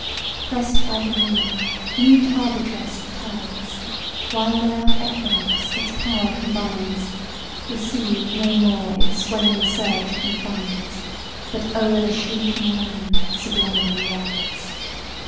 PRESS'D by the moon, mute arbitress of tides, While the loud equinox its power combines, The sea no more its swelling surge confines, But o'er the shrinking land sublimely rides.